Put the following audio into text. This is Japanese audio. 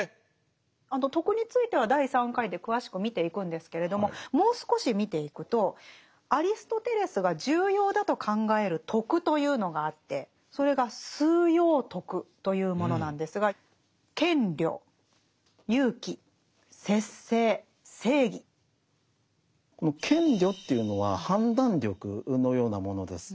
徳については第３回で詳しく見ていくんですけれどももう少し見ていくとアリストテレスが重要だと考える徳というのがあってそれが「枢要徳」というものなんですがこの「賢慮」っていうのは判断力のようなものです。